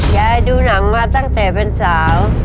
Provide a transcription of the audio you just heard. ดูหนังมาตั้งแต่เป็นสาว